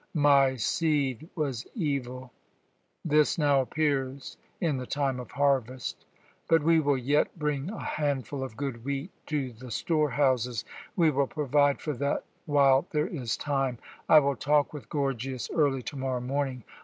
My seed was evil. This now appears in the time of harvest. But we will yet bring a handful of good wheat to the storehouses. We will provide for that while there is time. I will talk with Gorgias early to morrow morning.